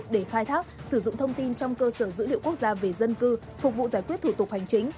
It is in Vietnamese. để khai thác sử dụng thông tin trong cơ sở dữ liệu quốc gia về dân cư phục vụ giải quyết thủ tục hành chính